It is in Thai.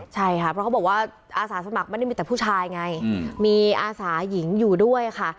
ใช่ค่ะเพราะเขาบอกว่าอาสาสมัครไม่ได้มีแต่ผู้ชายไงมีอาสาหญิงอยู่ด้วยค่ะ